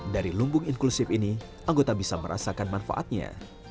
dari lumbung inklusif ini anggota bisa merasakan manfaatnya